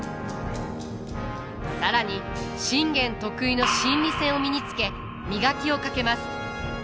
更に信玄得意の心理戦を身につけ磨きをかけます。